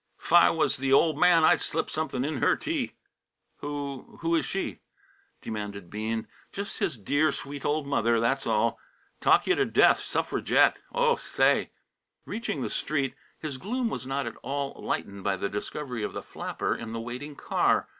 "'F I was the old man I'd slip something in her tea." "Who who is she?" demanded Bean. "Just his dear, sweet old mother, that's all! Talk you to death suffergette! Oh! say!" Reaching the street, his gloom was not at all lightened by the discovery of the flapper in the waiting car.